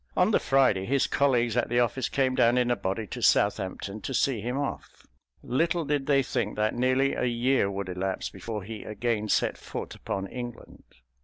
On the Friday his colleagues at the office came down in a body to Southampton to see him off. Little did they think that nearly a year would elapse before he again set foot upon England.